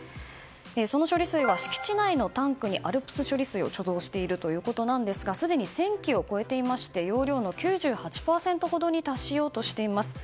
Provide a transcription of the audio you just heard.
その処理水は敷地内のタンクにＡＬＰＳ処理水を貯蔵しているということですがすでに１０００基を超えていて容量の９８％ほどに達しようとしています。